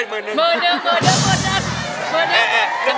เมื่อเดิมเมื่อเดิม